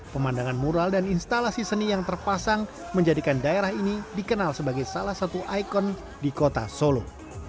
pemandangan mural dan instalasi seni yang terpasang menjadikan daerah ini dikenal sebagai salah satu ikon di kota solo